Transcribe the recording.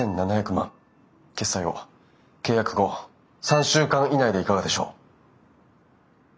決済を契約後３週間以内でいかがでしょう？